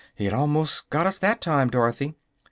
"It almost got us that time, Dorothy."